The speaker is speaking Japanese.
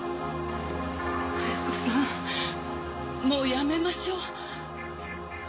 もうやめましょう。